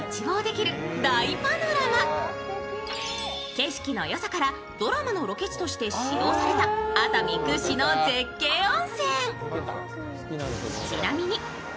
景色のよさからドラマのロケ地として使用された熱海屈指の絶景温泉。